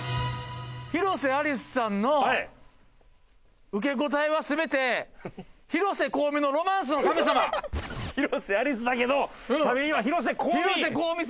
広瀬アリスさんの受け答えは全て広瀬香美の『ロマンスの神様』。広瀬アリスだけどしゃべりは広瀬香美。